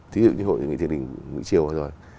thí dụ như hội nghị thiền định mỹ triều rồi